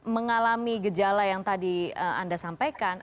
mengalami gejala yang tadi anda sampaikan